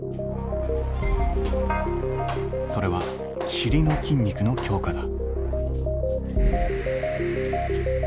それは尻の筋肉の強化だ。